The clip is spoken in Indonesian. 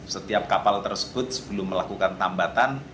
setiap kapal tersebut sebelum melakukan tambatan